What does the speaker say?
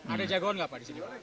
ada jagoan nggak pak di sini pak